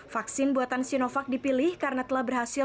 vaksin buatan sinovac dipilih karena telah berhasil